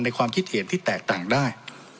ความคิดเห็นที่แตกต่างได้